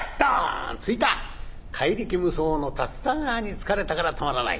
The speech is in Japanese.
怪力無双の竜田川に突かれたからたまらない。